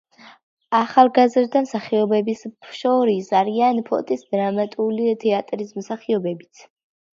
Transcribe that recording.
ახალგაზრდა მსახიობებს შორის არიან ფოთის დრამატული თეატრის მსახიობებიც.